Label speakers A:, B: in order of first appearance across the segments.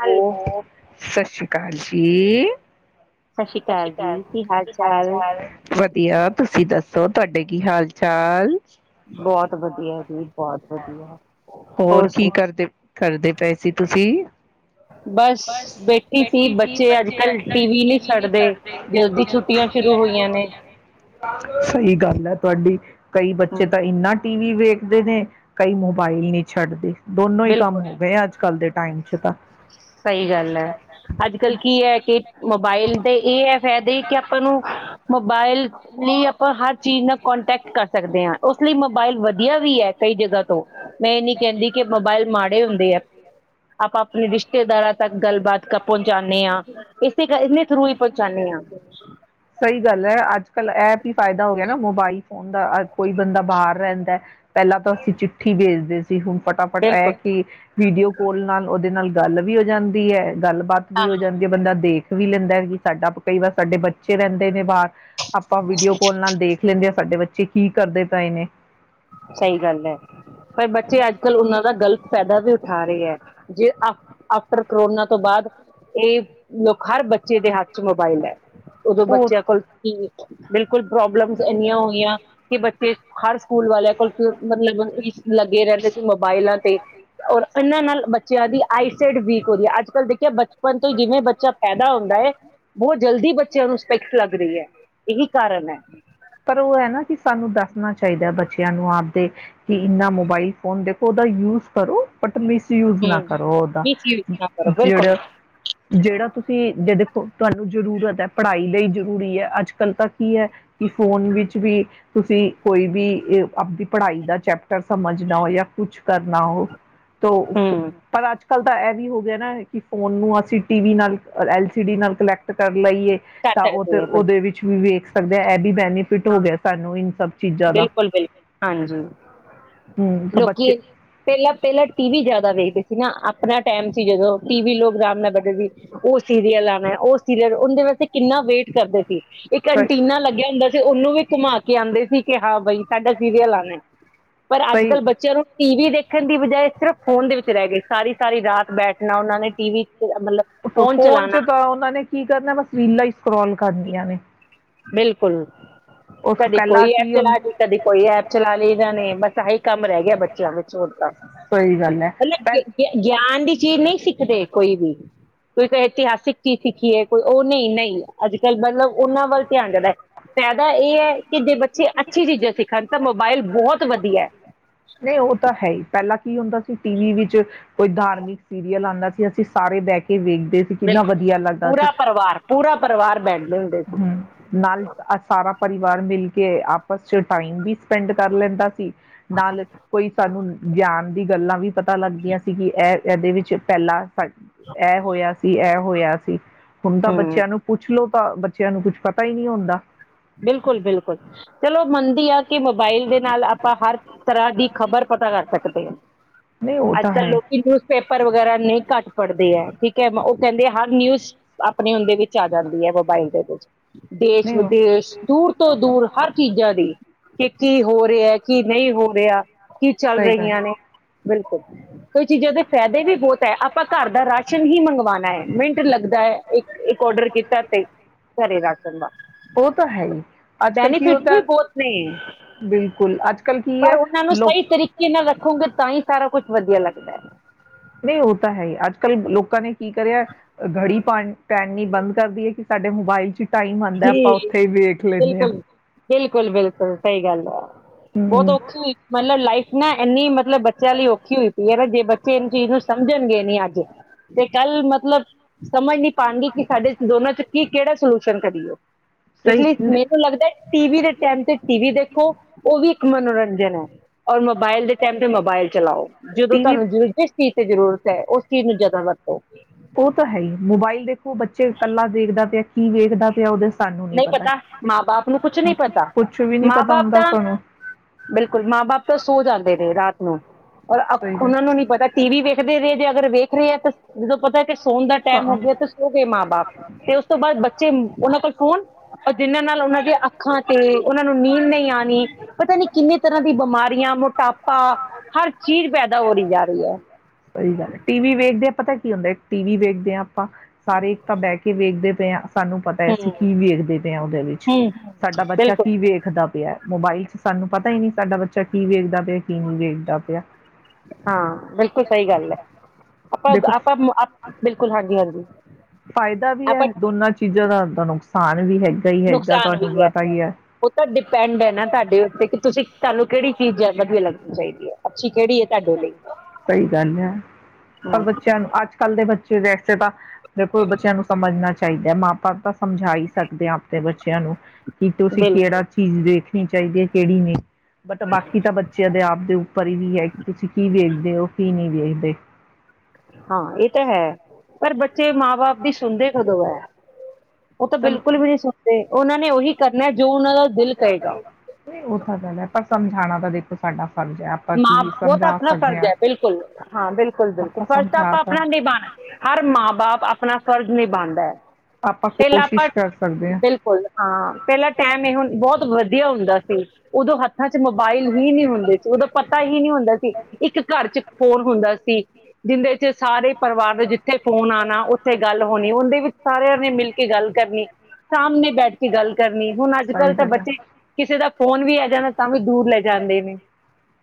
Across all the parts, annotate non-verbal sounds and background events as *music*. A: Hello, ਸਤਿ ਸ੍ਰੀ ਅਕਾਲ ਜੀ। ਸਤਿ ਸ੍ਰੀ ਅਕਾਲ। ਕੀ ਹਾਲ -ਚਾਲ ਵਧੀਆ ਤੁਸੀਂ ਦੱਸੋ? ਸੋ ਤੁਹਾਡੇ ਕੀ ਹਾਲ- ਚਾਲ
B: ਬਹੁਤ ਵਧੀਆ ਜੀ ਬਹੁਤ ਵਧੀਆ। ਹੋਰ
A: ਕੀ ਕਰਦੇ
B: ਸੁਣਾ
A: ਬਸ, ਬੈਠੀ ਸੀ ਬੱਚੇ ਅੱਜ ਕੱਲ ਟੀਵੀ ਨੀ ਛੱਡਦੇ। ਜਦੋਂ ਦੀ ਛੁੱਟੀਆਂ ਸ਼ੁਰੂ ਹੋਈਆਂ ਨੇ ਸਹੀ ਗੱਲ ਹੈ। ਤੁਹਾਡੀ ਕਈ
B: ਹਮ,
A: ਬੱਚੇ ਤਾਂ ਇਨਾ ਟੀਵੀ ਵੇਖਦੇ ਨੇ ਕਈ ਮੋਬਾਈਲ ਨਹੀਂ ਛੱਡਦੇ ਦੋਨੋਂ ਹੀ ਕੰਮ
B: ਬਿਲਕੁਲ
A: ਹੋ ਗਏ ਅੱਜ ਕੱਲ ਦੇ ਟਾਈਮ ਚ ਤਾਂ
B: ਸਹੀ ਗੱਲ ਹੈ ਅੱਜ ਕੱਲ ਕੀ ਹੈ ਕਿ ਮੋਬਾਇਲ ਦੇ ਇਹ ਏ ਫਾਇਦੇ ਕਿ ਆਪਾਂ ਨੂੰ ਮੋਬਾਇਲ ਨਹੀ ਆਪਾਂ ਹਰ ਚੀਜ਼ ਨਾਲ ਕੋਂਟੈਕਟ ਕਰ ਸਕਦੇ ਹਾਂ ਉਸ ਲਈ ਮੋਬਾਇਲ ਵਧੀਆ ਵੀ ਹੈ ਕਈ ਜਗ੍ਹਾ ਤੋਂ ਮੈਂ ਏ ਨਹੀਂ ਕਹਿੰਦੀ ਕੇਮੋਬਾਇਲ ਮਾੜੇ ਹੁੰਦੇ ਆ ਆਪਾਂ ਆਪਣੇ ਰਿਸ਼ਤੇਦਾਰਾਂ ਤੱਕ ਗੱਲਬਾਤ ਪਹੁੰਚਾਦੇ ਹਾਂ ਇਸੇ ਇਹੇ ਥਰੂ ਹੀ ਪਹੁੰਚਾਦੇ ਹਾਂ
A: ਐਪ ਹੀ ਫਾਇਦਾ ਹੋ ਗਿਆ ਨਾ ਮੋਬਾਇਲ ਫੋਨ ਦਾ ਕੋਈ ਬੰਦਾ ਬਾਹਰ ਰਹਿੰਦਾ ਪਹਿਲਾਂ ਤਾਂ ਅਸੀਂ ਚਿੱਠੀ ਭੇਜਦੇ ਸੀ ਕੀ ਹੋਣ ਫਟਾਫਟ
B: ਬਿਲਕੁਲ
A: ਆ ਕਿ ਵੀਡੀਓ ਕੋਲ ਨਾਲ ਉਹਦੇ ਨਾਲ ਗੱਲ ਵੀ ਹੋ ਜਾਂਦੀ ਹੈ ਗੱਲਬਾਤ ਵੀ ਹੋ ਜਾਂਦੀ ਹੈ ਬੰਦਾ ਵੇਖ ਇਹੀ ਲੈਂਦਾ ਕਿ ਸਾਡਾ ਕਈ ਵਾਰ ਸਾਡੇ ਬੱਚੇ ਰਹਿੰਦੇ ਨੇ ਬਾਹਰ ਆਪਾਂ ਵੀਡੀਓ ਕੋਲ ਨਾਲ ਦੇਖ ਲੈਂਦੇ ਹਾਂ ਸਾਡੇ ਬੱਚੇ ਕੀ ਕਰਦੇ ਪਏ ਨੇ
B: ਸਹੀ ਗੱਲ ਹੈ ਪਰ ਬੱਚੇ ਅੱਜ ਕੱਲ੍ਹ ਉਹਨਾਂ ਦਾ ਗਲਤ ਫਾਇਦਾ ਵੀ ਆ ਰਹੀ ਹੈ ਜੇ ਆਫਟਰ ਕੋਰੋਨਾ ਤੋਂ ਬਾਅਦ ਇਹ ਲੋਕਾ ਹਰ ਬੱਚੇ ਦੇ ਹੱਕ ਚ ਮੋਬਾਇਲ ਹੈ ਉਹ ਬੱਚਿਆਂ ਕੋਲ ਕੀ ਬਿਲਕੁਲ ਪ੍ਰੋਬਲਮਸ ਇੰਨੀਆਂ ਆਉਂਦੀਆਂ ਕੇ ਬੱਚੇ ਹਰ ਸਕੂਲ ਵਾਲਿਆਂ ਕੋਲ ਸਿਰਫ ਲੱਗੇ ਰਹਿੰਦੇ ਸੀ ਮ ਫਾਈਲਾਂ ਤੇ ਔਰ ਇਹਨਾਂ ਨਾਲ ਬੱਚਿਆਂ ਦੀ ਆਈਸੇਡ ਵੀਕ ਹੋ ਗਿਆ ਅੱਜ ਕੱਲ ਦੇਖੀਏ ਬੱਚੇ ਪਣ ਤੋਂ ਜਿਵੇਂ ਬੱਚਾ ਪੇਦਾ ਹੁੰਦਾ ਆ ਬਹੁਤ ਜਲਦੀ ਬੱਚਿਆਂ ਨੂੰ ਸਪੈਕਸ ਲੱਗ ਰਹੀ ਹੈ ਇਹੀ ਕਾਰਨ ਹੈ
A: ਪਰ ਉਹ ਹੈ ਨਾ ਕਿ ਸਾਨੂੰ ਦੱਸਣਾ ਚਾਹੀਦਾ ਬੱਚਿਆਂ ਨੂੰ ਆਪਦੇ ਕਿ ਇਨਾ ਮੋਬਾਈਲ ਫੋਨ ਦੇਖੋ ਉਹਦਾ ਯੂਜ ਕਰੋ ਬਟ ਮਿਸਯੂਜ ਨਾ
B: ਹਮ
A: ਕਰੋ ਉਦਾ
B: ਮਿਸਯੂਜ ਨਾ ਕਰੋ ਬਿਲਕੁਲ
A: ਜਿਹੜਾ ਜਿਹੜਾ ਤੁਸੀਂ ਜੇ ਦੇਖੋ ਤੁਹਾਨੂੰ ਜਰੂਰਤ ਹੈ ਪੜ੍ਹਾਈ ਲਈ ਜਰੂਰੀ ਹ ਅੱਜ ਕੱਲ ਤਾਂ ਕੀ ਹੈ ਕਿ ਫੋਨ ਵਿੱਚ ਵੀ ਤੁਸੀਂ ਕੋਈ ਵੀ ਆਪਦੀ ਪੜ੍ਹਾਈ ਦਾ ਚੈਪਟਰ ਸਮਝਣਾ ਹੋਏ ਜਾਂ ਕੁਛ ਕਰਨਾ ਉਹ ਤੋ
B: ਹਮ
A: ਪਰ ਅੱਜ ਕੱਲ ਤਾਂ ਇਹ ਵੀ ਹੋ ਗਿਆ ਨਾ ਕਿ ਫੋਨ ਨੂੰ ਅਸੀਂ ਟੀ-ਵੀ ਨਾਲ, ਔਰ ਐਲ ਸੀ ਡੀ ਨਾਲ ਕਲੈਕਟ ਕਰ ਲਈਏ
B: ਕਰ
A: ਤਾਂ ਉਹ ਤੇ
B: ਸਕਦੇ
A: ਉਹਦੇ ਵਿੱਚ ਵੀ ਵੇਖ ਤੇ ਐ ਐਡੀ ਬੈ
B: ਹਾ ਬਿਲਕੁਲ ਬਿਲਕੁਲ ਹਾਂਜੀ।
A: ਹੂੰ ਤਾਂ ਬੱਚੇ
B: ਲੋਕੀ ਪਹਿਲਾਂ ਪਹਿਲਾਂ ਟੀ ਵੀ ਜਿਆਦਾ ਵੇਖਦੇ ਸੀ ਨਾ ਆਪਣਾ ਟਾਈਮ ਸੀ, ਜਦੋਂ ਟੀ ਵੀ ਲੋਕ ਰਾਮ ਨਾਲ ਬੈਠਦੇ ਸੀ, ਉਹ ਸੀਰੀਅਲ ਆਣਾ ਐ, ਉਹ ਸੀਰੀਅਲ ਓੰਦੇ ਵਾਸਤੇ ਕਿੰਨਾ ਵੇਟ ਕਰਦੇ ਸੀ। ਇੱਕ ਅਨਟੀਨਾ ਲੱਗਿਆ ਹੁੰਦਾ ਸ ਉਹਨੂੰ ਵੀ ਘੁਮਾ ਕੇ ਆਂਦੇ ਸੀ ਕਿ ਹਾਂ ਬਈ ਸਾਡਾ ਸੀਰੀਅਲ ਆਨਾ ਐ, ਪਰ ਅੱਜ
A: ਸਹੀ
B: ਕੱਲ੍ਹ ਬੱਚਿਆਂ ਨੂੰ ਟੀ ਵੀ ਦੇ ਠਣ ਦੀ ਬਜਾਏ ਸਿਰਫ ਫੋਨ ਦੇ ਵਿੱਚ ਰਹਿ ਗਏ, ਸਾਰੀ ਸਾਰੀ ਰਾਤ ਬੈਠਣਾ, ਉਹਨਾਂ ਨੇ ਟੀ ਵੀ
A: ਫੋਨ ਚ ਤਾਂ ਉਹਨਾ ਨੇ ਕੀ ਕਰਨਾ, ਬਸ ਰੀਲਾ ਹੀ ਸਕਰੌਲ ਕਰਦੀਆਂ ਨੇ।
B: ਬਿਲਕੁਲ।
A: ਉਸ
B: ਕਦੇ
A: ਪਹਿਲਾਂ
B: ਕੋਈ ਐਪ
A: ਕੀ
B: ਚਲਾ
A: ਹੁੰ
B: ਲਈ, ਕਦੇ ਕੋਈ ਐਪ ਚਲਾ ਲਈ ਇਹਨਾ ਨੇ, ਬਸ ਆਹੀ ਕੰਮ ਰਹਿ ਗਿਆ ਬੱਚਿਆਂ ਵਿੱਚ ਹੋਣ ਤੱਕ,
A: ਸਹੀ ਗੱਲ ਹੈ
B: ਮਤਲਬ
A: ਪਹਿ
B: ਗੇ ਗਿਆਨ ਦੀ ਚੀਜ਼ ਨਹੀਂ ਸਿੱਖਦੇ ਕੋਈ ਵੀ, ਕੋਈ ਕਹੇ ਇਤਿਹਾਸਿਕ ਚੀਜ਼ ਸਿੱਖੀਏ ਕੋਈ ਉਹ ਨਹੀਂ ਨਹੀਂ। ਅੱਜ ਕ ਚਲ ਮਤਲਬ ਉਹਨਾਂ ਵੱਲ *unintelligible* ਏ ਐ ਕਿ ਜੇ ਬੱਚੇ ਅੱਛੀ ਚੀਜ਼ਾਂ ਸਿੱਖਣ ਤਾਂ ਮੋਬਾਇਲ ਬਹੁਤ ਵਧੀਐ
A: ਨਹੀਂ ਉਹ ਤਾਂ ਹੈ ਹੀ ਪਹਿਲਾਂ ਕੀ ਹੁੰਦਾ ਸੀ ਟੀ ਵੀ ਵਿੱਚ ਕੋਈ ਧਾਰਮਿਕ ਸੀਰੀਅਲ ਆਂਦਾ ਕੇ ਅਸੀ ਸਾਰੇ ਬਹਿ ਕੇ ਵੇਖ ਦੇ ਸੀ, ਕਿੰਨਾ
B: ਬਿਲਕੁਲ
A: ਵਧੀਆ ਲੱਗਦਾ ਸੀ,
B: ਪੂਰਾ ਪਰਿਵਾਰ ਪੂਰਾ ਪਰਿਵਾਰ ਬੈਠਦੇ ਹੁੰਦੇ ਸੀ
A: ਹਮ ਨਾਲ ਅ ਸਾਰਾ ਪਰਿਵਾਰ ਮਿਲ ਕੇ ਆਪਸ ਚ ਟਾਈਮ ਵੀ ਸ ਪਿੰਡ ਕਰ ਲੈਂਦਾ ਸੀ, ਨਾਲ ਕੋਈ ਸਾਨੂੰ ਗਿਆਨ ਦੀ ਗੱਲਾਂ ਵੀ ਪਤਾ ਲੱਗਦੀਆਂ ਸੀ ਕਿ ਇਹ ਇਹਦੇ ਵਿੱਚ ਪਹਿਲਾਂ ਸ ਏਹ ਹੋਇਆ ਸੀ, ਏਹ ਹੋਇਆ ਸੀ ਹੁਣ ਤਾਂ
B: ਹਮ
A: ਬੱਚਿਆਂ ਨੂੰ ਪੁੱਛ ਲੋੋ ਤਾਂ ਬੱਚਿਆਂ ਨੂੰ ਕੁਛ ਪਤਾ ਹੀ ਨਹੀਂ ਹੁੰਦਾ।
B: ਬਿਲਕੁਲ, ਬਿਲਕੁਲ। ਚਲੋ ਮੰਨਦੀ ਆ ਕਿ ਮੋਬਾਈਲ ਦੇ ਨਾਲ ਆਪਾਂ ਹਰ ਤਰ੍ਹਾਂ ਦੀ ਖ਼ਬਰ ਪਤਾ ਕਰ ਸਕਦੇ ਆਂ।
A: ਨਹੀਂ ਉਹ
B: ਅੱਜ
A: ਤਾਂ
B: ਕੱਲ
A: ਹੈ।
B: ਲੋਕੀ ਨਿਊਜ਼ਪੇਪਰ ਵਗੈਰਾ ਨਹੀਂ ਘੱਟ ਪੜ੍ਹਦੇ ਆ। ਠੀਕ ਐ, ਉਹ ਕਹਿੰਦੇ ਹਰ ਨਿਊਜ਼ ਆਪਣੇ ਹੁੰਦੇ ਵਿੱਚ ਆ ਜਾਂਦੀ ਐ ਮੋਬਾਇਲ ਦੇ ਵਿੱਚ। ਦੇਸ਼
A: ਨਹੀਂ
B: ਵ
A: ਉਹ
B: ਤੇਸ਼ ਦੂਰ ਤੋਂ ਦੂਰ ਹਰ ਚੀਜ਼ਾਂ ਦੀ। ਕਿ ਕੀ ਹੋ ਰਿਆ, ਕੀ ਨਹੀਂ ਹੋ ਰਿਆ। ਕੀ ਚੱਲ
A: ਸਹੀ ਗੱਲ
B: ਰਹੀਆਂ
A: ਏ।
B: ਨੇ। ਬਿਲਕੁਲ। ਕੋਈ ਚੀਜ਼ਾਂ ਦੇ ਫਾਇਦੇ ਵੀ ਬਹੁਤ ਐ, ਆਪਾਂ ਘਰ ਦਾ ਰਾਸ਼ਨ ਹੀ ਮੰਗਵਾਣਾ ਐ, ਮਿੰਟ ਲੱਗਦਾ ਐ। ਇੱਕ ਇੱਕ ਔਡਰ ਕੀਤਾ ਤੇ ਘਰੇ ਰਾ ਜਨਮ
A: ਉਹ ਤਾਂ ਹੈ ਈ ਅੱਜ ਕੱਲ ਕੀ ਹੋਂਦਾ।
B: ਬਹੁਤ ਨੇ
A: ਬਿਲਕੁਲ, ਅੱਜ ਕੱਲ ਕੀ
B: ਪਰ
A: ਐ। ਲੋਕ
B: ਕਰ ਕੁੱਝ ਵਧੀਆ ਲੱਗਦਾ ਐ।
A: ਨਹੀਂ ਉਹ ਤਾਂ ਹੈ ਹੀ ਅੱਜ ਕੱਲ ਲੋਕਾਂ ਨੇ ਕੀ ਕਰਿਆ ਘੜੀ ਪਾਣੀ ਚ ਪੈ ਨੀਬੰਦ ਕਰਦੀਏ ਕਿ ਸਾਡੇ ਮੋਬਾਈਲ ਚ ਟਾਈਮ ਆਂਦਾ ਆਪਾਂ
B: ਜੀ
A: ਉੱਥੇ ਵੇਖ ਲੈਣੇ ਆਂ।
B: ਬਿਲਕੁਲ, ਬਿਲਕੁਲ ਸਹੀ ਗੱਲ ਆ। ਬਹੁਤ
A: ਹੂੰ
B: ਔਖੀ ਮਤਲਬ ਲਾਈਫ ਨਾ ਇੰਨੀ ਮ ਬੱਚਿਆਂ ਲਈ ਔਖੀ ਹੋਈ ਪਈ ਏ ਨਾ ਜੇ ਬੱਚੇ ਇਹਨ ਚੀਜ਼ ਨੂੰ ਸਮਝਣਗੇ ਨੀ ਅੱਜ। ਤੇ ਕੱਲ ਮਤਲਬ ਸਮਝ ਨਹੀਂ ਪਾਣਗੀ ਕਿ ਸਾਡੇ ਦੋਨਾਂ ਚ ਕੀ ਕਿਹੜੇ ਸ਼ਰਨ ਕਰ ਦੀਓ ਇਸ ਲਈ ਮੇਰੇ ਕੋ ਲੱਗਦਾ ਟੀ ਵੀ ਦੇ ਟੈਮ ਤੇ ਟੀ ਵੀ ਦੇ ਕੋ ਉਹ ਵੀ ਇੱਕ ਮਨੋਰੰਜਨ ਐ। ਔਰ ਮੋਬਾਇਲ ਦੇ ਟਾਈਮ ਤੇ ਮੋਬਾਇਲ ਚਲਾਓ। ਜਦੋਂ
A: ਟੀਵੀ
B: ਤੁਹਾਨੂੰ ਜਿਸ ਚੀਜ਼ ਤੇ ਜ਼ਰੂਰਤ ਐ ਉਸ ਚੀਜ਼ ਨੂੰ ਜਿਆਦਾ ਵਰਤੋ
A: ਉਹ ਤਾਂ ਹੈ ਈ। ਮੋਬਾਈਲ ਦੇਖੋ ਬੱਚੇ ਕੱਲਾ ਦੇਖਦਾ ਪਿਆ, ਕੀ ਵੇਖਦਾ ਪਿਆ ਉਹਦੇ ਸ
B: ਨਹੀਂ ਪਤਾ, ਮਾਂ ਬਾਪ ਨੂੰ ਕੁਛ ਨੀ ਪਤਾ।
A: ਕੁਛ ਵੀ ਨਹੀਂ
B: ਮਾਂ
A: ਪਤਾ
B: ਬਾਪ
A: ਹੁੰਦਾ
B: ਤਾਂ
A: ਸਾਨੂੰ
B: ਬਿਲਕੁਲ, ਮਾਂ ਬਾਪ ਤਾਂ ਸੋ ਜਾਂਦੇ ਨੇ ਰਾਤ ਹਮਮ। ਔਰ
A: ਸਹੀ ਗੱਲ
B: ਉਹਨਾਂ ਨੂੰ ਨੀ ਪਤਾ ਟੀ ਵੀ ਵੇਖਦੇ ਰਹੇ ਜੇ ਅਗਰ ਵੇਖ *unintelligible* ਉਦੋਂ ਪਤਾ ਫਿਰ ਸੋਣ ਦਾ
A: ਹਾਂ
B: ਟਾਈਮ ਹੋ ਗਿਆ ਤੇ ਸੋ ਗਏ ਮਾਂ ਬਾਪ। ਐ ਉਸ ਤੋਂ ਬਾਅਦ ਬੱਚੇ ਉਹਨਾਂ ਕੋਲ ਹੁਣ ਜਿਹਨਾਂ ਨਾਲ ਉਹਨਾਂ ਦੀਆਂ ਅੱਖਾਂ ਤੇ ਉਹਨਾਂ ਨੂੰ ਨੀਂਦ ਨਹੀਂ ਯਾਨੀ ਪਤਾ ਨੀ ਕਿੰਨੇ ਤਰ੍ਹਾਂ ਦੀ ਬਿਮਾਰੀਆਂ, ਮੋਟਾਪਾ, ਹਰ ਚੀਜ਼ ਪੈਦਾ ਹੋ ਰਹੀ ਜਾ ਰਹੀ ਹੈ।
A: ਸਹੀ ਗੱਲ ਹੈ। ਟੀਵੀ ਵੇਖਦੇ ਆ ਪਤਾ ਕੀ ਹੁੰਦਾ, ਟੀ ਵੀ ਦੇਖਦੇ ਆ। ਆਪਾਂ ਸਾਰੇ ਇੱਕ ਤਾਂ ਬਹਿ ਕੇ ਵੇਖਦੇ *unintelligible* ਸਾਨੂੰ ਪਤਾ ਹੈ
B: ਹੂੰ
A: ਅਸੀਂ ਕੀ ਵੇਖਦੇ ਪਏ ਹਾਂ, ਉਹਦੇ ਵਿੱਚ
B: ਹੂੰ ਹੂੰ,
A: ਸਾਡਾ ਬੱਚਾ
B: ਬਿਲਕੁਲ
A: ਕੀ ਵੇਖਦਾ ਪਿਆ। ਮੋਬਾਈਲ ਚ ਸਾਨੂੰ ਪਤਾ ਹੀ ਨਹੀ, ਸਾਡਾ ਬੱਚਾ ਕੀ ਵੇਖਦਾ ਪਿਆ, ਕੀ ਨਹੀਂ ਵੇਖਦਾ ਪਿਆ।
B: ਹਾਂ, ਬਿਲਕੁਲ ਸਹੀ ਗੱਲ ਹੈ, ਆਪਾਂ
A: ਦੇਖੋ
B: ਆਪਾਂ ਬਿਲਕੁਲ ਹਾਂਜੀ ਹਾਂਜੀ।
A: ਫਾਇਦਾ ਵੀ ਹੈ,
B: ਆਪਾਂ
A: ਦੋਨਾਂ ਚੀਜ਼ਾਂ ਦਾ ਆ *unintelligible* ਵੀ ਹੈਗੀ।
B: ਨੁਕਸਾਨ ਵੀ ਹੈ, ਉਹ ਤਾਂ ਡਿਪੈਂਡ ਹੈ ਨਾ ਤੁਹਾਡੇ ਉੱਤੇ ਕਿ ਤੁਸੀਂ ਤਹਾਨੂੰ। ਕਿਹੜੀ ਚੀਜ਼ ਹੈ ਵਧੀਆ ਲੱਗਣੀ ਚਾਹੀਦੀ ਹੈ? ਅੱਛੀ ਕਿਹੜੀ ਹੈ ਤੁਹਾਡੇ ਲਈ
A: ਸਹੀ ਗੱਲ ਹੈ, ਪਰ
B: ਹਮ,
A: ਬੱਚਿਆਂ ਨੂੰ ਅੱਜ ਕੱਲ੍ਹ ਦੇ ਬੱਚੇ ਵੈਸੇ ਤਾਂ ਬਿਲਖੁਲ, ਬੱਚਿਆਂ ਨੂੰ ਸਮਝਣਾ ਚਾਹੀਦਾ ਮਾਂ ਬਾਪ ਤਾਂ, ਸਮਝਾਾਈ ਸਕਦੇ ਆ ਆਪਣੇ ਬ ਬੱਚਿਆਂ ਨੂੰ ਕੀ ਤੁਸੀਂ
B: ਬਿਲਕੁਲ
A: ਕਿਹੜਾ ਚੀਜ਼ ਦੇਖ ਣੀ ਚਾਹੀਦੀ ਹੈ ਕਿਹੜੀ ਨੇ ਬਟ ਬਾਕੀ ਤਾਂ ਬੱਚਿਆਂ ਦੇ ਆਪ ਦੇ ਉੱਪਰ ਹੀ ਵੀ ਹੈ। ਤੁਸੀਂ ਕੀ ਵੇਖਦੇ ਹੋ ਕੀ ਨਹੀਂ ਵੇ *unintelligible*
B: ਹਾਂ, ਇਹ ਤਾਂ ਹੈ। ਪਰ ਬੱਚੇ ਮਾਂ ਬਾਪ ਦੀ ਸੁਣਦੇ ਕਦੋਂ ਐ? ਉਹ ਤਾਂ
A: ਚਲੋ
B: ਬਿਲਕੁਲ ਵੀ ਨਹੀਂ ਸੁਣਦੇ। ਉਹ ਨੇ ਉਹੀ ਕਰਨਾ ਜੋ ਉਹਨਾਂ ਦਾ ਦਿਲ ਕਹੇਗਾ
A: ਨਹੀਂ, ਉਹ ਤਾਂ ਗੱਲ ਹੈ, ਪਰ ਸਮਝ ਖਾਣਾ ਤਾਂ ਦੇਖੋ ਸਾਡਾ ਫਰਜ਼ ਹੈ ਆਪਾਂ ਕੀ
B: ਮਾਂ-ਬਾ ਉਹ ਤਾਂ
A: ਸਮਝਾ
B: ਆਪਣਾ
A: ਸਕਦੇ
B: ਫਰਜ਼
A: ਹਾਂ।
B: ਹੈ, ਬਿਲਕੁਲ, ਹਾਂ, ਬਿਲਕੁਲ, ਬਿਲਕੁਲ!
A: ਆਪਾਂ
B: ਫਰਜ਼ ਤਾਂ
A: ਸਮਝਾ
B: ਆਪਾਂ ਆਪਣਾ ਨਿਭਾਣਾ ਹਰ ਮਾਂ-ਬਾਪ ਅ ਆਪਣਾ ਫ਼ਰਜ਼ ਨਿਵਾਦਾ ਐ।
A: ਆਪਾਂ
B: ਪਹਿਲਾਂ, ਆਪਾਂ
A: ਕੋਸ਼ਿਸ਼ ਕਰ ਸਕਦੇ ਹਾਂ।
B: ਬਿਲਕੁਲ ਹਾਂ ਪਹਿਲਾਂ ਟੈਮ ਇਹ ਹੁ ਬਹੁਤ ਵਧੀਆ ਹੁੰਦਾ ਸੀ ਉਦੋਂ ਹ ਰਾਂ ਚ ਮੋਬਾਇਲ ਵੀ ਨੀਂ ਹੁੰਦੇ ਸੀ। ਉਹਦੋਂ ਪਤਾ ਈ ਕੀ ਨੀ ਹੁੰਦਾ ਸੀ, ਇੱਕ ਘਰ ਚ ਫੋਨ ਹੁੰਦਾ ਸੀ, ਜਿੰਦੇ ਚ ਸਾਰੇ ਪਰਿਵਾਰ ਦੇ ਜਿੱਥੇ ਫੋਨ ਆਣਾ, ਉੱਥੇ ਗੱਲ ਹੋਣੀ ਓਂਦੇ ਵਿੱਚ ਸਾਰਿਆ ਨੇ ਮਿਲ ਕੇ ਗੱਲ ਕਰਨੀ ਸਾਹਮਣੇ ਬੈਠ ਕੇ ਗੱਲ ਕਰਨੀ। ਹੁਣ ਅੱਜ
A: ਸਹੀ
B: ਕੱਲ੍ਹ ਤਾਂ
A: ਗੱਲ ਹੈ।
B: ਬੱਚੇ, ਕਿਸੇ ਦਾ ਫੋਨ ਵੀ ਆ ਜਾਂਣਾ ਤਾਂ ਵੀ ਦੂਰ ਲੈ ਜਾਂਦੇ ਨੇ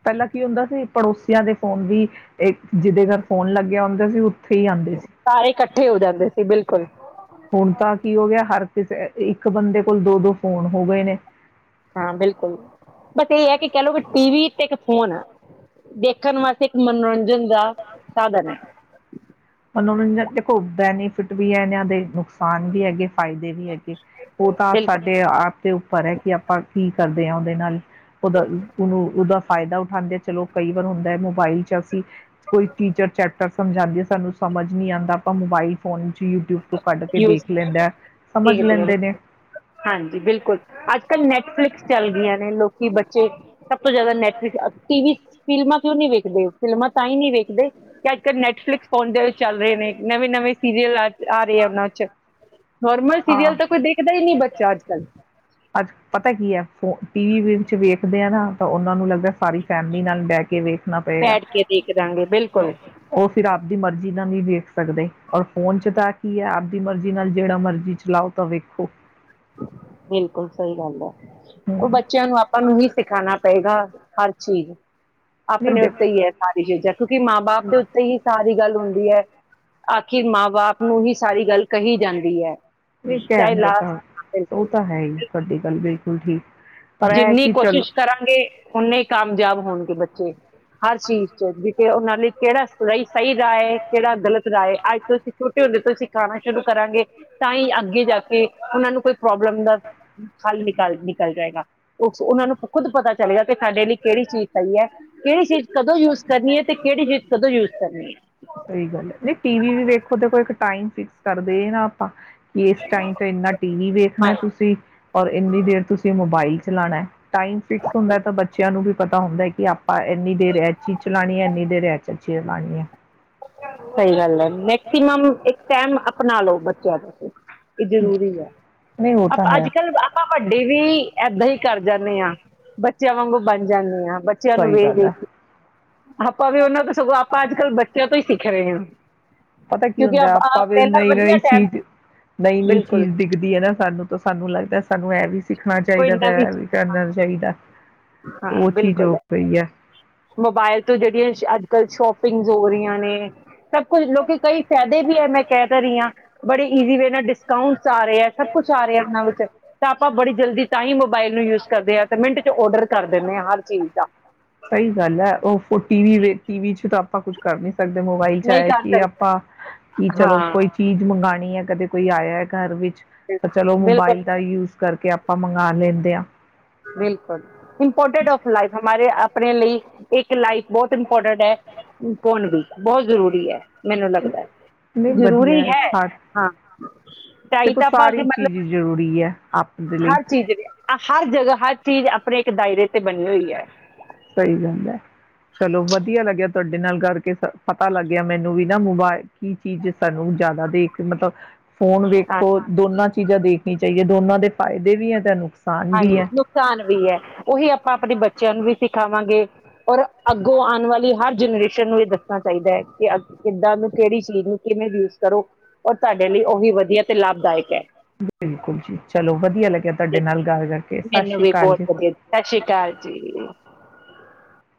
A: ਪਹਿਲਾਂ ਕੀ ਹੁੰਦਾ ਸੀ ਪੜੋਸੀਆਂ ਦੇ ਫੋਨ ਵੀ ਜਿਹਦੇ ਘਰ ਫੋਨ ਲੱਗਿਆ ਹੁੰਦਾ ਸੀ ਓ
B: ਸਾਰੇ ਇਕੱਠੇ ਹੋ ਜਾਂਦੇ ਸੀ ਬਿਲ
A: ਹੁਣ ਤਾਂ ਕੀ ਹੋ ਗਿਆ ਹਰ ਇ-ਇੱਕ ਬੰਦੇ ਕੋਲ ਦੋ ਦੋ ਫੋਨ ਹੋ ਗਏ ਨੇ
B: ਹਾਂ ਬਿਲਕੁੱਲ। ਬਸ ਇਹ ਹੈ ਕਿ ਕਹਿ ਲਓ ਕਿ ਟੀ ਵੀ ਤੇ ਇੱਕ ਫੋਨ ਆ, ਦੇਖਣ ਵਾਸਤੇ ਇੱਕ ਮਨੋਰੰਜਨ ਦਾ ਸਾਧਨ ਹੈ
A: ਮਨ ਮਨੋਰੰਜਨ ਦੇਖੋ, ਬੈਨੀਫਿਟ ਵੀ ਹੈ ਇਹਨਾਂ ਦੇ, ਨੁਕਸਾਨ ਵੀ ਹੈਗੇ ਫਾਇਦੇ ਵੀ ਹੈਗੇ, ਉਹ ਤਾਂ
B: ਬਿਲਕੁਲ
A: ਸਾਡੇ ਆਪ ਦੇ ਉ ਪਰ ਐ ਕਿ ਆਪਾਂ ਕੀ ਕਰਦੇ ਆਂ ਉਹਦੇ ਨਾਲ ਉਹਦਾ ਉਹਨੂੰ ਉਹਦਾ ਫਾਇਦਾ ਉਠਾਂਦੇ ਆ ਚਲੋ ਕਈ ਵਾਰ ਹੁੰਦਾ ਐ, ਮੋਬਾਈਲ ਚ ਅਸੀਂ ਕੋਈ ਟੀਚਰ ਚੈਪਟਰ ਸਮਝਾਉਂਦੀ ਹੈ ਸਾਨੂੰ ਸਮਝ ਨਹੀਂ ਆਉਂਦਾ ਆਪਾਂ ਮੋਬਾਈਲ ਫੋਨ 'ਚ ਯੂਟਿਊਬ ਤੋਂ ਕੱਢ ਕੇ ਦੇਖ ਲੈਂਦਾ ਸਮਝ ਲੈਂਦੇ ਨੇ
B: *unintelligible* ਹਾਂਜੀ ਬਿਲਕੁਲ ਅੱਜ ਕੱਲ ਨੈਟਫਲਿਕਸ ਚੱਲ ਗਈਆਂ ਨੇ ਲੋਕੀ ਬੱਚੇ ਸਭ ਤੋਂ ਜ਼ਿਆਦਾ ਨੈਟਫਲਿਕ ਟੀ ਵੀ ਫਿਲਮਾਂ ਕਿਉਂ ਨੀ ਵੇਖਦੇ, ਫਿਲਮਾਂ ਤਾਂ ਹੀ ਨੀ ਵੇਖਦੇ, ਕਿ ਅੱਜ ਕੱਲ੍ਹ ਨੈਟਫਲਿਕਸ *unintelligible* ਚੱਲ ਰਹੇ ਨੇ ਨਵੇਂ ਨਵੇਂ ਸੀਰੀਅਲ ਆ ਆ ਰਹੇ ਆ ਉਹਨਾਂ ਚ ਨੋਰਮਲ ਸੀਰੀਅਲ
A: ਹਾਂ।
B: ਤਾਂ ਕੋਈ ਦੇਖਦਾ ਈ ਨੀ ਬੱਚਾ ਅੱਜ ਕਲ
A: ਫੋ-ਟੀ ਵੀ ਵੇ ਵਿੱਚ ਵੇਖਦੇ ਆ ਨਾ ਤਾਂ ਉਹਨਾਂ ਨੂੰ ਲੱਗਦਾ ਸਾਰੀ ਫੈਮਿਲੀ ਨਾਲ ਬਹਿ ਕੇ ਵੇਖਣਾ ਪਏਗਾ।
B: ਬੈਠ ਕੇ ਦੇਖ ਦਾਂਗੇ ਬਿਲਕੁਲ
A: ਉਹ ਫਿਰ ਆਪਦੀ ਮਰਜ਼ੀ *unintelligible* ਵੀ ਵੇਖ ਸਕਦੇ, ਔਰ ਫੋਨ ਚ ਤਾਂ ਕੀ ਹੈ ਆਪਦੀ ਮਰਜ਼ੀ ਨਾਲ ਜਿਹੜਾ ਮਰਜ਼ੀ ਚੀਜ ਚਲਾਓ ਤਾਂ ਵੇਖੋ
B: ਬਿਲਕੁੱਲ ਸਹੀ ਗੱਲ ਹੈ।
A: ਹੂੰ
B: ਉਹ ਬੱਚਿਆਂ ਨੂੰ ਆਪਾਂ ਨੂੰ ਹੀ ਸਿਖਾਣਾ ਪਏਗਾ ਹਰ ਚੀਜ਼
A: ਨਹੀਂ
B: ਆਪਣੇ
A: ਦੇ
B: ਉੱਤੇ ਹੀ ਹੈ ਸਾਰੀ ਚੀਜਾਂ ਕਿਉਂਕਿ ਮਾਂ ਬਾਪ ਦੇ ਉੱਤੇ ਹੀ ਸਾਰੀ ਗੱਲ ਹੁੰਦੀ ਐ। *unintelligible* ਕਿ ਮਾਂ ਬਾਪ ਨੂੰ ਹੀ ਸਾਰੀ ਗੱਲ ਕਹੀ ਜਾਂਦੀ ਐ।
A: ਨਹੀਂ
B: ਚਾਏ
A: ਕਹਿਣ ਦੇ
B: ਲਾਸ
A: ਤਾਂ ਉਹ ਤਾਂ ਹੈ ਈ, ਤੁਹਾਡੀ ਗੱਲ ਬਿਲਕੁਲ ਠੀਕ। ਪਰ ਇਹ
B: ਜਿੰਨੀ
A: ਕਿ ਚਲੋ
B: ਕੋਸ਼ਿਸ਼ ਕਰਾਂਗੇ ਓੰਨੇ ਈ ਕਾਮਜਾਬ ਹੋਣਗੇ ਬੱਚੇ‍। ਹਰ ਚੀਜ਼ ਚ ਦੀ ਤੇ ਉਹਨਾਂ ਲਈ ਕਿਹੜਾ ਸਰਈ ਸਈ ਰਾਅ ਐ, ਕਿਹੜਾ ਗਲਤ ਰਾਅ ਐ। ਅੱਜ ਤੋਂ ਅਸੀਂ ਛੋਟੇ ਹੁੰਦ ਫਿਰ ਤੋਂ ਸਿਖਾਣਾ ਸ਼ੁਰੂ ਕਰਾਂਗੇ ਤਾਂ ਈ ਅੱਗੇ ਜਾ ਕੇ ਉਹਨਾਂ ਨੂੰ ਕੋਈ ਪ੍ਰੋਬਲਮ ਦਾ ਹੱਲ ਨਿਕ ਗੱਲ ਨਿਕਲ ਜਾਏਗਾ। ਉਹ ਉਹਨਾਂ ਨੂੰ ਖੁਦ ਪਤਾ ਚੱਲ ਗਿਆ ਕਿ ਸਾਡੇ ਲਈ ਕਿਹੜੀ ਚੀਜ਼ ਸਈ ਐ, ਕਿਹੜੀ ਚੀਜ਼ ਕਦੋਂ ਯੂਜ਼ ਕਰਨੀ ਹੈ ਤੇ ਕਿਹੜੀ ਚੀਜ਼ ਕਦੋਂ ਯੂਜ਼ ਕਰਨੀ ਹੈ
A: ਸਈ ਗੱਲ ਐ। ਨਈ ਟੀ ਵੀ ਵੀ ਵੇਖੋ ਤੇ ਕੋਈ ਇੱਕ ਟਾਈਮ ਫਿਕਸ ਕਰਦੇ ਨਾ ਆਪਾਂ। ਕਿ ਇਸ ਟਾਈਮ ਤੇ ਇੰਨਾ ਟੀ ਵੀ ਵੇਖਨਾ ਏ
B: ਹਾਂਜੀ
A: ਤੁਸੀਂ ਔਰ ਇੰਨੀ ਦੇਰ ਤੁਸੀਂ ਮੋਬਾਈਲ। ਚਲਾਣਾ ਟਾਈਮ ਫਿਕਸ ਹੁੰਦਾ ਤਾਂ ਬੱਚਿਆਂ ਨੂੰ ਵੀ ਪਤਾ ਹੁੰਦਾ ਕਿ ਆਪਾਂ ਇੰਨੀ ਦੇਰ ਰਹਿ। ਸੀ ਚਲਾਣੀ ਐਨੀ ਦੇਰਹਿਆਂ ਚ। *unintelligible*
B: ਸਹੀ ਗੱਲ ਏ। ਮੈਕਸੀਮਮ ਇੱਕ ਟਾਈਮ ਅ ਪਣਾ ਲਓ ਬੱਚਿਆਂ ਤੁਸੀਂ। ਏ ਜ਼ਰੂਰੀ ਐ।
A: ਨਹੀਂ ਉਹ ਤਾਂ
B: ਅਪ
A: ਹੈ।
B: ਅੱਜ ਕੱਲ ਆਪਾਂ ਵੱਡੀ ਵੀ ਇਦਾ ਹੀ ਕਰ ਜਾਂਨੇ ਆ ਬੱਚਿਆਂ ਵਾਂਗੂ ਬਨ ਜਾਂਦੇ ਆ। ਬੱਚਿਆਂ ਨੂੰ
A: ਸਹੀ
B: ਵੇਖ
A: ਗੱਲ ਹੈ
B: ਦੇਖ। ਆਪਾਂ ਵੀ ਉਹਨਾਂ ਤੋਂ ਸਗੋਂ ਆਪਾਂ ਅੱਜ ਕੱਲ੍ਹ ਬੱਚਿਆਂ ਤੋਂ ਸਿੱਖ ਰਹੇ ਆਂ।
A: ਪਤਾ ਕੀ ਹੁੰਦਾ ਆਪਾਂ ਵੀ ਨਈ
B: ਵਧੀਆ
A: ਨਈ
B: ਟਾਈਮ
A: ਚੀਜ਼
B: ਸੀ
A: ਨਈ ਨੀ
B: ਬਿਲਕੁਲ
A: ਚੀਜ਼ ਦਿਖਦੀ ਏ ਨਾ ਸਾਨੂੰ ਤਾਂ ਸਾਨੂੰ ਲੱਗਦਾ। ਸਾਨੂੰ ਇਹ ਵੀ ਸਿੱਖਨਾ
B: ਕੋਈ
A: ਚਾਹੀਦਾ ਤਾਂ
B: ਨਵੀਂ
A: ਇਹ ਵੀ ਕਰਨਾ
B: ਚੀਜ਼
A: ਚਾਹੀਦਾ।
B: ਹਾਂ
A: ਉਹ ਚੀਜ਼
B: ਬਿਲਕੁਲ
A: ਹੋ
B: ਹੈ।
A: ਪਈ ਏ।
B: ਮੋਬਾਇਲ ਤੋਂ ਜਿਹੜੀਆਂ ਅੱਜ ਕੱਲ੍ਹ ਸ਼ੋਪਿੰਗਸ ਹੋ ਰਹੀਆਂ ਨੇ। ਸਭ ਕੁਛ ਲੋਕੀ ਕਈ ਫਾਇਦੇ ਵੀ ਏ ਮੈਂ ਕਹਿ ਤਾਂ ਰਹੀ ਹਾਂ ਬੜੇ ਈਜ਼ੀ ਵੇ ਨਾਲ ਡਿਸਕਾਊਂਟ ਆ ਰਹੇ ਏ, ਸਭ ਕੁਛ ਆ ਰੇ ਏ, ਏਹਨਾਂ ਵਿੱਚ ਤਾਂ ਆਪਾਂ ਬੜੀ। ਜਲਦੀ ਟਾਈਮ ਮੋਬਾਈਲ ਨੂੰ ਯੂਜ ਕਰਦੇ ਆ ਤੇ ਮਿੰਟ ਚ ਔਰਡਰ ਕਰ ਦਿੰਦੇ ਆ ਹਰ ਚੀਜ਼ ਦਾ
A: ਸਹੀ ਗੱਲ ਐ, ਉਹ ਫ ਟੀ ਵੀ ਵ ਟੀਵੀ ਚ ਸ਼ ਕੁਛ ਕਰ ਨੀ ਸ ਸਾਡੇ ਮੋਬਾਈਲ ਚ
B: ਨਹੀਂ
A: ਆਏ
B: ਕਰ
A: ਕਿ
B: ਸਕਦੇ
A: ਆਪਾਂ ਕਿ ਚਲੋ ਕੋਈ ਚੀਜ਼ ਮੰਗਾਣੀ ਨਈ ਆ, ਕਦੇ ਕੋਈ ਆਇਆ ਘਰ ਵੀ ਪਰ ਚਲੋ ਮੋਬਾਇਲ ਦਾ ਯੂਜ਼ ਕਰਕੇ ਆਪਾਂ ਮੰਗਾ ਲੈਂਦੇ ਆ।
B: ਬਿਲਕੁਲ ਇੰਪੋਰਟਡ ਔਫ ਲਾਈਫ, ਹਮਾਰੇ ਅ ਆਪਣੇ ਲਈ ਇੱਕ ਲਾਈਕ ਬਹੁਤ ਇੰਪੋਰਟੈਟ ਐ, ਫੋਨ ਵੀ। ਬਹੁਤ ਜਰੂਰੀ ਐ। ਮੈਨੂੰ ਲੱਗਦਾ ਐ,
A: ਨਹੀਂ ਵਧੀਆ
B: ਜਰੂਰੀ ਹੈ।
A: ਸਾ
B: ਹਾਂ, ਤਾਹੀ
A: ਦੇਖੋ
B: ਤਾਂ ਆਪਾਂ ਅੱਗੇ
A: ਸਾਰੀ
B: ਮਲ
A: ਚੀਜ਼ ਜ਼ਰੂਰੀ ਹੈ ਆਪ ਦੇ ਲਈ
B: ਹਰ ਚੀਜ਼ ਜੇੜੀ ਆ ਹਰ ਜਗ੍ਹਾ, ਹਰ ਚੀਜ਼ ਆਪਣੇ ਇੱਕ ਦਾਇਰੇ ਤੇ ਬਣੀ ਹੋਈ ਐ।
A: ਸਹੀ ਗੱਲ ਐ। ਚਲੋ ਵਧੀਆ ਲੱਗਿਆ ਤੁਆਡੇ ਨਾਲ ਗਰਕੇ ਸਰ ਪਤਾ ਲੱਗ ਗਿਆ। ਮੈਨੂੰ ਵੀ ਅ ਮੋਬਾਈਲ ਕੀ ਚੀਜ਼, ਸਾਨੂੰ ਜਿਆਦਾ ਦੇਖ ਕੇ, ਮਤਲਬ ਫੋਨ
B: ਹਾਂ
A: ਦੇਖੋ ਦੋਨਾਂ ਚ ਚੀਜ਼ਾਂ ਦੇਖਨੀ ਚਾਹੀਏ। ਦੋਨਾਂ ਦੇ ਫਾਇਦੇ ਵੀ ਆ ਤੇ ਨੁਕਸਾ
B: ਹਾਂ, ਨੁਕਸਾਨ ਵੀ ਐ। ਉਹੀ ਆਪਾਂ ਆਪਣੇ ਬੱਚਿਆਂ ਨੂੰ ਵੀ ਸਿ ਪਾਵਾਂਗੇ ਪਰ ਅੱਗੋਂ ਆਣ ਵਾਲੀ ਹਰ ਜਨਰੇਸ਼ਨ ਨੂੰ ਇਹ ਦੱਸਣਾ ਚਾਈਦਾ ਐ ਕਿ ਅ ਕਿੱਦਾਂ ਓਨੂੰ, ਕਿਹੜੀ ਚੀਜ਼ ਨੂੰ, ਕਿਵੇਂ ਯੂਜ਼ ਕਰੋ ਉਹ ਤੁਹਾਡੇ ਲਈ ਓਹ ਵੀ ਵਧੀਆ ਤੇ ਲਾਭਦਾਇਕ ਐ।
A: ਬਿਲਕੁਲ ਜੀ ਚਲੋ ਵਧੀਆ ਲੱਗਿਆ ਤੁਹਾਡੇ ਨਾਲ ਗੱਲ ਕਰਕੇ ਸਤਿ
B: ਮੈਨੂੰ
A: ਸ੍ਰੀ
B: ਵੀ
A: ਅਕਾਲ
B: ਬਹੁਤ
A: ਜੀ।
B: ਵਧਿਯਾ ਸਤਿ ਸ਼੍ਰੀ ਅਕਾਲ ਜੀ